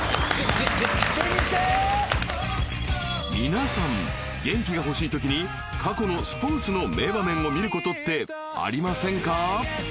注入して皆さん元気が欲しい時に過去のスポーツの名場面を見ることってありませんか？